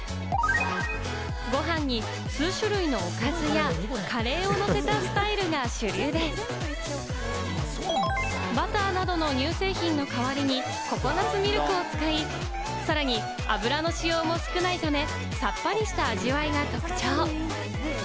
ご飯に数種類のおかずやカレーを乗せたスタイルが主流で、バターなどの乳製品の代わりにココナツミルクを使い、さらに油の使用も少ないため、さっぱりした味わいが特徴。